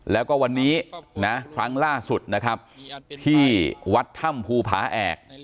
แล้วก็วันนี้นะครั้งล่าสุดนะครับที่วัดถ้ำภูผาแอก